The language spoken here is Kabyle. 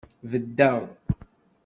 Beddeɣ.